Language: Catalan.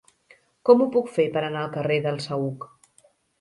Com ho puc fer per anar al carrer del Saüc?